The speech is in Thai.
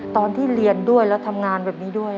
ตอนที่เรียนด้วยแล้วทำงานแบบนี้ด้วย